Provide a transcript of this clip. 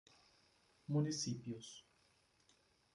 Municípios